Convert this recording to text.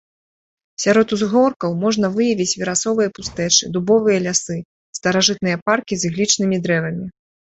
Сярод узгоркаў можна выявіць верасовыя пустэчы, дубовыя лясы, старажытныя паркі з іглічнымі дрэвамі.